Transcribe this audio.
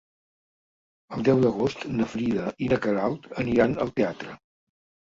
El deu d'agost na Frida i na Queralt aniran al teatre.